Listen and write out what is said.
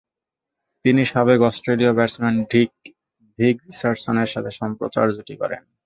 তিনি সাবেক অস্ট্রেলীয় ব্যাটসম্যান ভিক রিচার্ডসনের সাথে সম্প্রচার জুটি গড়েন।